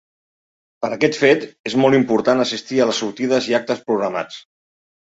Per aquest fet, és molt important assistir a les sortides i actes programats.